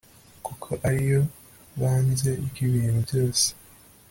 Kuko ari yo Banze ryibintu byose